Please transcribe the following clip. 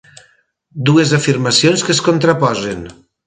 Dues afirmacions que es contraposen.